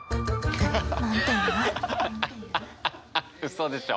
嘘でしょ？